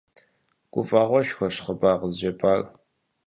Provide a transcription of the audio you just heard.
Гуфӏэгъуэшхуэщ хъыбар къызжепӏар.